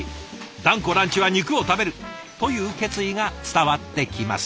「断固ランチは肉を食べる！」という決意が伝わってきます。